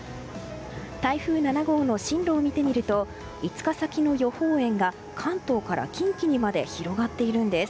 台風７号の進路を見てみると５日先の予報円が関東から近畿にまで広がっているんです。